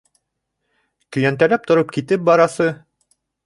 — Көйәнтәләп тороп китеп барасы!